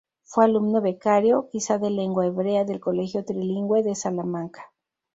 Fue alumno becario, quizá de lengua hebrea, del Colegio Trilingüe de Salamanca.